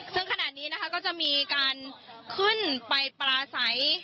ซึ่งขณะนี้นะคะก็จะมีการขึ้นไปปลาใส